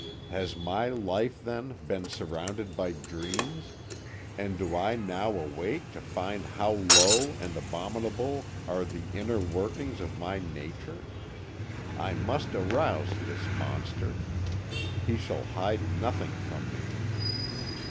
Has my life, then, been surrounded by dreams, and do I now awake to find how low and abominable are the inner workings of my nature? I must arouse this monster. He shall hide nothing from me."